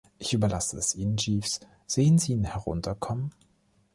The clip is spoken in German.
Ich überlasse es Ihnen, Jeeves, sehen Sie ihn herunterkommen?